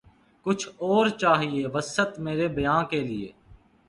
کچھ اور چاہیے وسعت مرے بیاں کے لیے